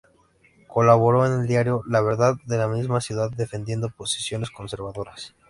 Colaboró con el diario "La Verdad" de la misma ciudad, defendiendo posiciones conservadoras.